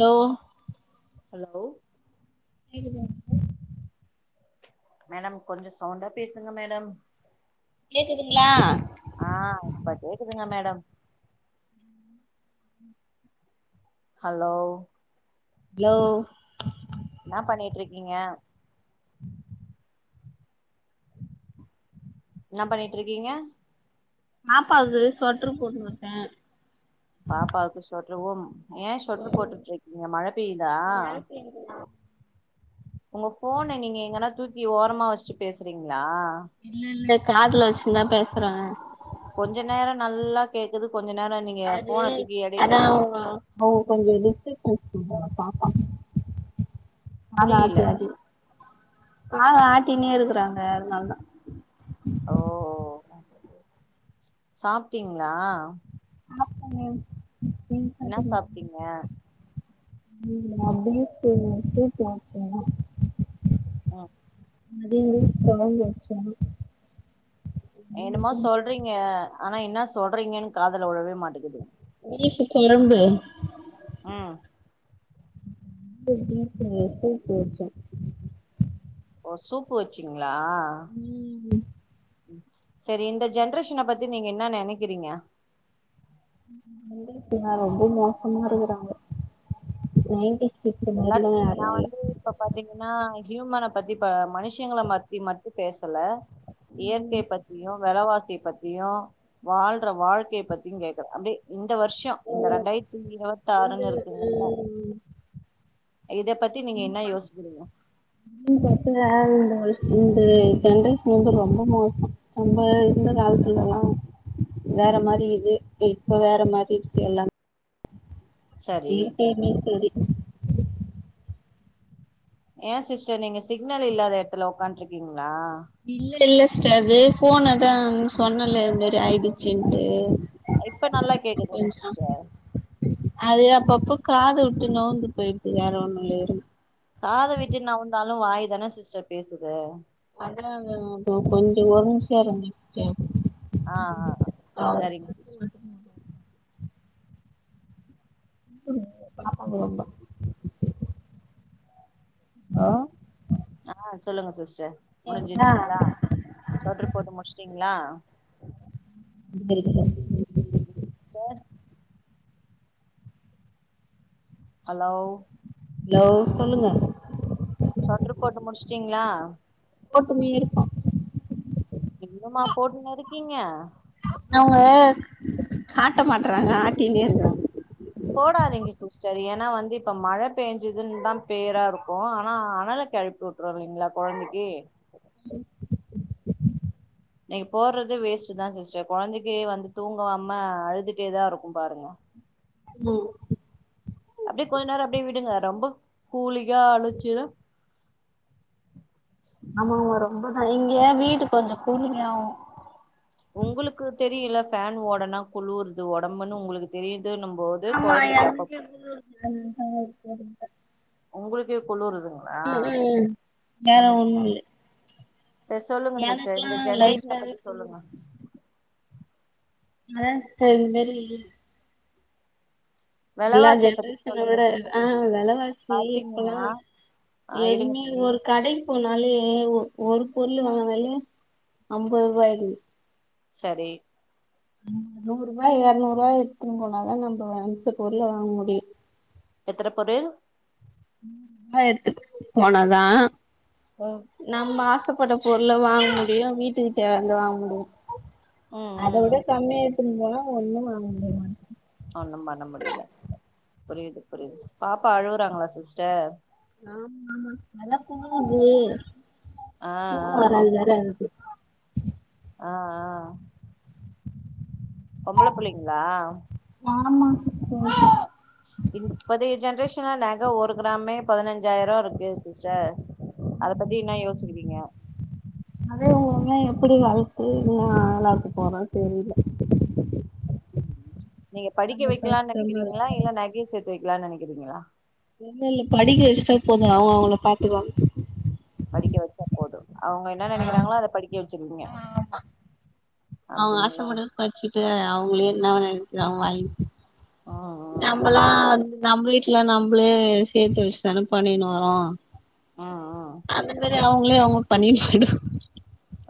hello hello கேக்குதா madam கொஞ்சோ சவுண்டா பேசுங்க மேடம் கேக்குதுங்களா ஆ இப்ப கேக்குதுங்க மேடம் ஹலோ ஹலோ என்ன பண்ணிட்ருக்கீங்க என்ன பண்ணிட்ருக்கீங்க பாப்பாக்கு சொட்ரு போட்னுருக்கே பாப்பாவுக்கு சொட்ருவும் யேன் சொட்டரு போட்டுட்டு இருக்கீங்க மழ பெய்யுதா மழ பெய்துதா உங்க ஃபோன நீங்க எங்கன்னா தூக்கி ஓரமா வெச்சிட்டு பேசுறீங்களா இல்ல இல்ல காதுல வச்சிந்தா பேசுறேன் கொஞ்ச நேரோ நல்லா கேக்குது கொஞ்ச நேரோ கேக் அது அதாவுங்க [unintelligible] அவுங்க கொஞ்சோ டிஸ்டன்ஸ் [unintelligible] பாப்பா புரியல [unintelligible] ஆ ஆட்டினே இருக்கறாங்க அதனால தா ஓ சாப்டிங்ளா சாப்டேன் மேம் நீங்க என்ன சாப்டிங்களா சாப்ட்டீங்க [inaudible] ஆ [inaudible] என்னமோ சொல்றீங்க ஆனா என்ன சொல்றீங்கன்னு காதுல உழவே மாட்டேங்குது இனிப்பு கொழம்பு ம் [inaudible] ஓ சூப்பு வெச்சிங்ளா ம் செரி இந்த ஜென்ரேஷன பத்தி நீங்க என்ன நெனைக்கிறீங்க இப்ப நான் ரொம்ப மோசமா இருக்கறாங்க நயின்ட்டி எல்லாத்துக்குமே நா வந்து இப்ப பாத்தீங்கன்னா ஹியூமன பத்தி மனுஷிங்கள மத்தி மட்டும் பேசல இயற்கை பத் பத்தியும் விலவாசிய பத்தியும் வாழ்ற வாழ்க்கைய பத்தியும் கேக்குறன் அப்டியே இந்த வருஷோம் இந்த ரெண்டாயிரத்தி இருவத்தி இந்த ஆறுன்னு இருக்குதுல்ல இத பத்தி நீங்க என்ன யோசிக்கிறீங்க [unintelligible] இந்த சன்ரைஸ் வந்து ரொம்ப மோசம் நம்ப இந்த காலத்துலலாம் வேற மாரி இது இப்ப வேற மாரி இருக்கு எல்லாம் சரி இ சேமே சேரி ஏன் சிஸ்டர் நீங்க சிக்னல் இல்லாத இடத்துல உக்காண்ட் இருக்கீங்களா இல்ல இல்ல ச்டார் அது போனைதான் சொன்னல இது மாரி ஆயிடுச்சுன்ட்டு இப்ப நல்லா கேக்குதுங்க கொஞ்சோ சிஸ்டர் அது அப்பப்போ காத வுட்டு நவுந்து போய்டுது வேற ஒண்ணுல்ல காத விட்டு நவுந்தாலும் வாய் தான சிஸ்டர் பேசுது அதான் அதான் இப்போ கொஞ்சோம் ஒடம்பு சேரி இல்லாம இருந்துச்சு ஆ ஆ ஆ செரிங்க சிஸ்டர் [inaudible] ஹலோ ஆ சொல்லுங்க சிஸ்டர் கேக்குதா முடிஞ்சிருச்சுங்களா சொட்டரு போட்டு முடிச்டிங்களா [inaudible] செர் ஹலோ ஹலோ சொல்லுங்க சொட்டுரு போட்டு முடிச்சுட்டிங்களா ஓட்டுமே இருப்பா இன்னும்மா போட்டுன்னு இருக்கீங்க அவங்க காட்ட மாட்றாங்க ஆட்டின இருக்கறாங்க போடாதீங்க சிஸ்டர் ஏன்னா வந்து இப்ப மழை பெயஞ்சுதுன்னு தான் பேயரா இருக்கும் ஆனா அனல கெளப்பி விளையாடுறிங்களா குழந்தைக்கி [unintelligible] இன்னைக்கு போறதே வேஸ்ட் தான் சிஸ்டர் குழந்தைக்கே தூங்காம வந்து தூங்காம அழுதுட்டேதான் இருக்கும் பாருங்க ம் அப்டியே கொஞ்ச நேரம் அப்டியே விடுங்க ரொம்ப கூலிங்கா ஆகுச்சுன்னா ஆமாங்க ரொம்பதான் இங்க வீட்டு கொஞ்சம் கூலிங் ஆவும் உங்களுக்கு தெரியுல ஃபேன் ஓடனா குழுறுது உடம்புன்னு உங்களுக்கு தெரியுது நம்போ வந்து குழந்தைக்கப்பப் என்னா பண்ற ஒங்களுக்கே குளுறுதா ம் ம் ம் வேற ஒண்ணும் இல்லே சேர் சொல்லுங்க சிஸ்டர் இந்த ஜென்ரேஷன லைட்டாவே பத்தி குளுரு சொல்லுங்க இல்ல சிஸ்டர் இது மேரி எல்லா வெலவாசிய பத்தி ஜென்ரேஷன சொல்லுங்க விட ஆ டீச்சர் வெலவாசி பாத்தீங்கன்னா ஆ இருங்க நீ சிஸ்டர் ஒரு கடைக்கு போனாலே ஒரு பொருளு வாங்கனாலே ஐம்பது ரூபா விக்குது சரி நூரூபா எரநூரூபாய் எடுத்து போனாதான் நம்ம நினச்ச பொருள வாங்க முடியும் எத்தன படி சும்மா எடுத்துட்டு போனனா ஓ நம்ம ஆசப்பட்ட பொருள வாங்க முடியும் வீட்டுக்கு தேவைய வாங்க முடியும் ம் அத விட ம் கம்மியா ம் எடுத்துன்னு போனா ஒண்ணும் வங்க முடியாது ஒண்ணும் பண்ண முடில புரிது புரிது பாப்பா அழுவுறாங்களா சிஸ்டர் ஆமா நல்லா தூங்குனாங்கே ஆ ஆ தூக்கம் வரல அதனால அழுவுது ஆ ஆ பொம்பள புள்ளைங்களா ஆமா சிஸ்டர் இப்பதி ஜென்ரேஷன்ல நக ஒரு கிராமே பதினஞ்சாயிரம் இருக்கு சிஸ்டர் அத பத்தி என்ன யோசிக்கிறீங்க அதே இவுங்களலாம் எப்டி வளத்து என்னா ஆளாக்க போறமுனு தெரில நீங்க படிக்க அது வைக்கலான்னு கஷ்டமா நெனக்கிறீங்களா இருக்கு இல்ல நகைய சேத்து வைக்கலாம்னு நெனக்கிறீங்களா இல்லல்ல படிக்க வச்சிட்டா போதும் அவங்க அவங்கள பாத்துக்குவாங்க படிக்க வச்சா போதும் அவுங்க என்ன நெனக்கிறாங்களோ அத படிக்க வச்சிருவீங்க ஆமா அவுங்க அப்டிங்களா ஆசப்பட்டத படிச்சுட்டு அவங்களே என்னவ நெனக்கிறாங்களோ வாய் ஆ ஆ நம்மல்லாம் வந்து நம்ம வீட்டுலாம் நம்மளே சேத்து வச்சுதானே பண்ணினு வரோம் ம் ம் அந்த மாரி அவுங்களே அவுங்களுக்கு பண்ணிட்டு போய்டும்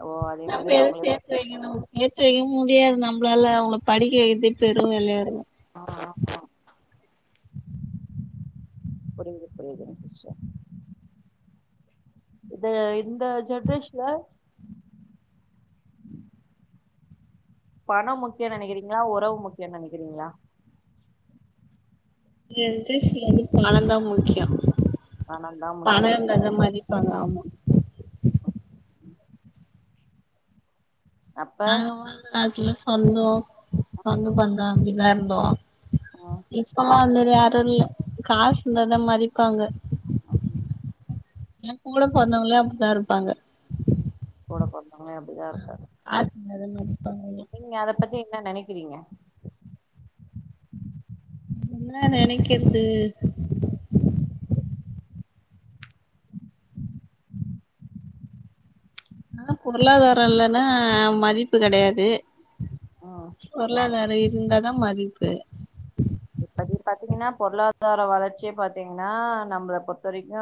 ஓ அதே மாரி நகை எதும் அவங்களே பண் சேத்து வைங்க நம்ம சேத்து வைக்கவும் முடியாது நம்மளால அவங்க படிக்க வைக்கிரதே பெரும் வேலையாறுக்கு ஆ ஆ அ புரிது புரியுதுங் சிஸ்டர் இத இந்த ஜென்ரேஷன்ல பணோ முக்கியோனு நெனக்கிறீங்ளா ஒறவு முக்கியோனு நெனக்கிறீங்ளா இந்த ஜென்ட்ரேஷன்ல வந்து பணோதா முக்கியோ பணோ தா முக்கியோ அந்த மாரி பண்லாமா ம் நாங்க வாழ்ந்த காலத்துல சொந்தோ சொந்த பந்தோ அப்டிதா இருந்தோ ம் இப்பல்லா அது மாரி யாரு இல்ல காசு இருந்தாதா மதிப்பாங்க ம் ஏ கூட பொறந்தவங்ளே அப்டித்தா இருப்பாங்க கூட பொறந்தவங்ளே அப்டிதா இருக்காங்க காசு இருந்தாதா மதிப்பாங்க நீங்க அத பத்தி என்ன நெனக்கிறீங்க என்னா நெனக்கற்து ஆனா பொருளாதாரோ இல்லன்னா மதிப்பு கெடையாது ம் பொருளாதாரோ இருந்தாதா மதிப்பு இப்போதைக்கு பாத்திங்கன்னா பொருளாதார வளர்ச்சியே பாத்திங்கன்னா நம்ள பொறுத்த வரைக்கு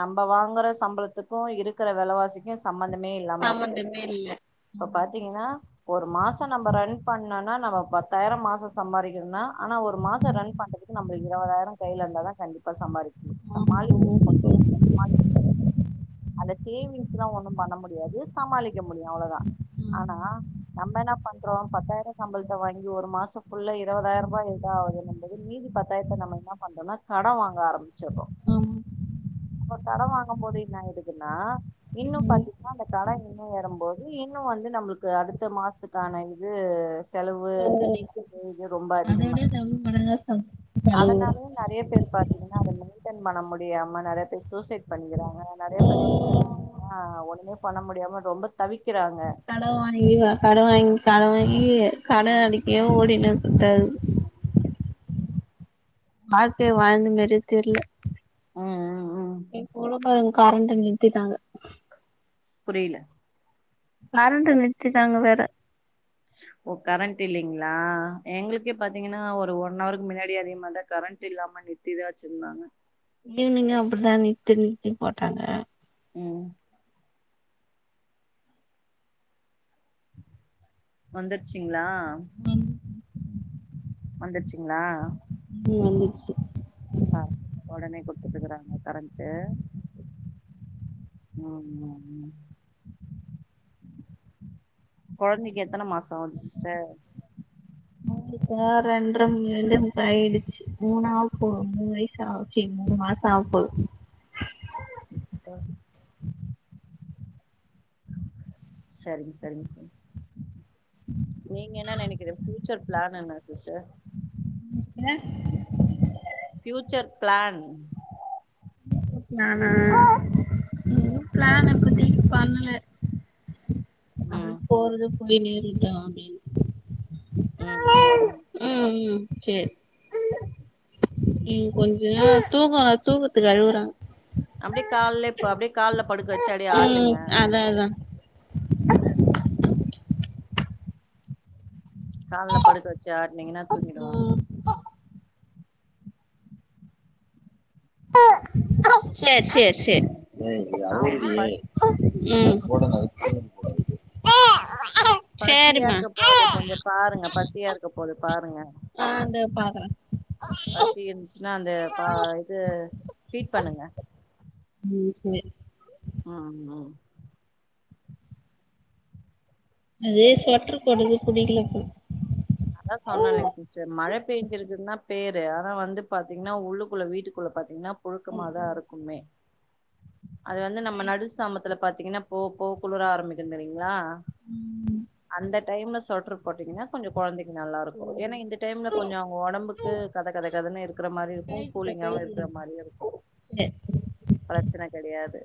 நம்ப வாங்குற சம்பளத்துக்கு இருக்குற வெலவாசிக்கு சம்மந்தமே இல்லாம இருக்கு சம்மந்தமே இல்ல ங்ன்னா ஒரு மாசோ நம்ம ரன் பண்ணோனா நம்ம பத்தாயிரோ மாசோ சம்பாதிக்கணுனா ஆனா ஒரு மாசோ ரன் பண்றதுக்கு நம்மளுக்கு இருபதாயிரோ கையில இருந்தா தா கண்டிப்பா சம்பாரிக்க முடியு ஆமா ரொம்ப சமாளிக்க சோம்பேறி அந்த சேவிங்ஸ்ல்லா ஒண்ணு பண்ண முடியாது சமாளிக்க முடியு அவ்ளோதா ஆனா நம்ம என்ன பண்றோம பத்தாயிரோ சம்பளத்த வாங்கி ஒரு மாசோ புள்ள இருபதாயிரோ ருபா து நம்பது மீதி பத்தாயரத்த நம்ம என்ன பண்றோனா கடோ வாங்க ஆரம்பிச்சிர்ரோ ஆமா அப்போ கடோ வாங்கும் போது என்ன ஆயிருதுன்னா இன்னும் பாத்திங்ன்னா அந்த கடன் இன்னு வரும்போது இன்னு வந்து நம்ளுக்கு அடுத்த மாசோ த்துக்கான இது செலவு வந்து நிக்கு இது ரொம்ப அதிகோ அதோட டபுள் மடங்கா செலவு வரு அதனால நறைய பேர் பா இல்லனா அத மெயின்டெய்ன் பண்ண முடியாம நறைய பேர் சூசைட் பண்ணிக்கிறாங்க நறைய நறைய பேர் பாத்திங்ன்னா ஒன்னுமே பண்ண முடியாம ரொம்ப தவிக்கிறாங்க கட வாங்கி கட வாங்கி கட வாங்கி கட ம் அடைக்கவே ஓடினு இருக்கர்தா [unintelligible] வாழ்க்கைய வாழ்ந்த மாரியே தெர்ல ம் ம் ம் இன்னைக்கு பொழுது கரண்டு நிறுத்திட்டாங்க புரில கரண்டு நிறுத்திட்டாங்க வேற ஓ கரண்ட் இல்லைங்ளா எங்ளுக்கே பாத்திங்ன்னா ஒரு ஒன் ஹவருக்கு முன்னாடி அதே மாரிதா கரண்ட் இல்லாம நிருத்திதா வச்சுருந்தாங்க ஈவ்னிங்கு அப்டிதா நிறத்தி நிறத்தி போட்டாங்க ம் வந்துர்ச்சிங்ளா [unintelligible] வந்துருச்சிங்ளா ம் வந்துர்ச்சு ஆ ஒடனே குடுத்துட்டுருக்குறாங்க கரண்ட்டு [unintelligible] கொழந்தைக்கு எத்தன மாசோ ஆகுது சிஸ்டர் இப்ப ரென்ற ரெண்டே முக்கால் ஆயிடுச்சு மூன்னாக போது மூணு வயசு ஆக போ மூணு மாசோ ஆக போகுது ஆ செரிங்க செரிங்க செரி நீங்க என்ன நெனைக்கிற ஃயூச்சர் பிளான் என்ன சிஸ்டர் ஃபியூச்சர் பிளான் ம் ம் [unintelligible] பத்தி ம் போறது போய் நேரிட்டம் அப்டின்னு அ ம் செரி கொஞ்ச தூக்க தூக்கத்துக்கு அழுகுறா அப்டியே கால அப்டியே கால படுக்க வ ம் அதா அதா கால்ல படுக்க வச்சு ஆட்னீங்கன்னா தூங்கிடுவா ம் செரி செரி செரி அவங்களுக்கு பசி ம் பசியா செரிமா இருக்க போது கொஞ்சோ பாருங்க பசியா இருக்க போகுது பாருங்க ஆ இந்தா பாக்குறே பசி அந்த பா இது ஃபீட் பண்ணுங்க ம் செரி ம் ம் அது ஸ்வெட்டர் போட்றது புடிக்கல போல அதா சொன்ன இல்லைங்க சிஸ்டர் மழ பெயஞ்சிருக்குன்தா பேரு ஆனா வந்து பாத்தீங்கன்னா உள்ளுக்குள்ள வீட்டுக்குள்ள பாத்தீங்கன்னா குளுக்கமா தா இருக்குமே அது வந்து நம்ம நடுசாமத்துல பாத்தீங்கன்னா போ போ குளிர ஆரம்மிக்கு தெரியுங்களா ம் அந்த டைம்ல ஸ்வெட்டர் போட்டீங்கன்னா கொஞ்சோ கொழந்தைங்க நல்லா இருக்கு ஏன்னா இந்த டைம்ல கொஞ்சோ அவங்க உடம்புக் கத கத கதன்னு இருக்கிற மாரி இருக்கு கைதில கூலிங்காவு கைதில இருக்கிற மாரியு இருக்கு சரி ப்ரச்சன கெடையாது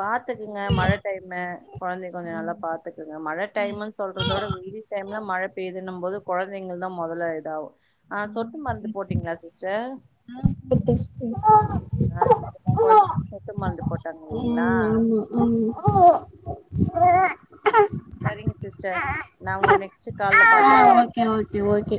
பாத்துக்குங்க மழ டைமு கொழந்தைய கொஞ்சோ நல்லா ம் பாத்துக்குங்க மழ சரி டைமுன்னு சொல்றதோட வெயில் டைம்ல மழ பெயதுனு போது கொழந்தைங்கள் தா முதல்ல இதாகு ஆ சொட்டு மருந்து போட்டீங்களா சிஸ்டர் ஆ மத்தஷ ஆ [unintelligible] கொழந்தைக்கு சொட்டு மருந்து போட்டாங்க இல்லைங்களா ம் செரிங்க சிஸ்டர் நா உங்கள நெக்ஸ்ட் ஆ கால்ல பாக்குறே ஓகே ஓகே